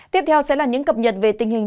tiếp theo sẽ là những cập nhật về tình hình